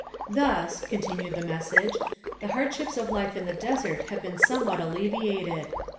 "Thus," continued the message, "the hard ships of life in the desert have been somewhat allevi ated."